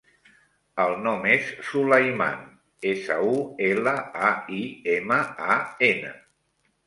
El nom és Sulaiman: essa, u, ela, a, i, ema, a, ena.